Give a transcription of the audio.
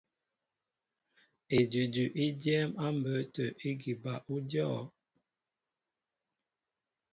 Edʉdʉ í dyɛ́ɛ́m á mbə̌ tə̂ ígi bal ú dyɔ̂.